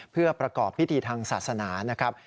เพื่อประกอบพิธีทางศาสนานะครับ